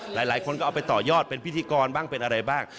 หลายคนก็เอาไปต่อยอดเป็นพิธีกรบ้างเป็นอะไรบ้าง